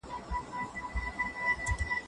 رنگين گومان دى خو يقين ورک دى